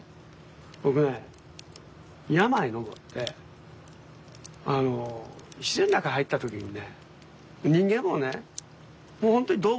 僕ね山に登って自然の中入った時にね人間もねもう本当に動物の一つ。